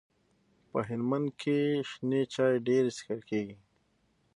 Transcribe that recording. په هلمند کي شنې چاي ډيري چیښل کیږي.